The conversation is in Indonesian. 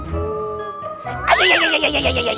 aduh aduh aduh aduh